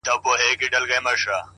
لوړ فکر د بدلون بنسټ ږدي,